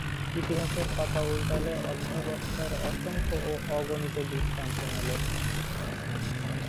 ইতিহাসের পাতা উল্টালে অধ্যবসায়ের অসংখ্য ও অগণিত দৃষ্টান্ত মেলে।